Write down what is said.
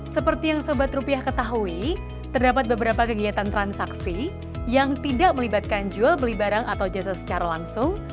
seperti yang sobat rupiah ketahui terdapat beberapa kegiatan transaksi yang tidak melibatkan jual beli barang atau jasa secara langsung